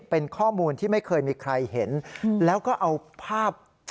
เป็นข้อมูลที่ไม่เคยมีใครเห็นแล้วก็เอาภาพ